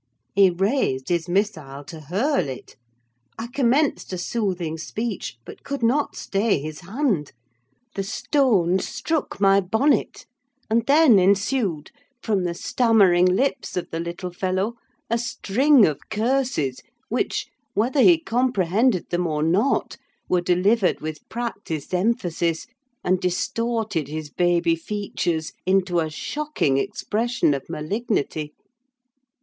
He raised his missile to hurl it; I commenced a soothing speech, but could not stay his hand: the stone struck my bonnet; and then ensued, from the stammering lips of the little fellow, a string of curses, which, whether he comprehended them or not, were delivered with practised emphasis, and distorted his baby features into a shocking expression of malignity.